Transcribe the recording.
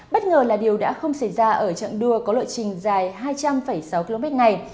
bất ngờ là điều đã không xảy ra ở trạng đua có lộ trình dài hai trăm linh sáu km này